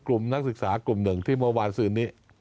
กลุ่มนักศึกษากลุ่มหนึ่งที่โมวานซื้อนี้